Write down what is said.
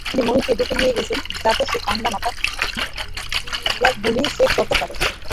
তিনি মুনিরকে ডেকে নিয়ে গেছেন, যাতে সে ঠাণ্ডা মাথায় ফিগারগুলি চেক করতে পারে।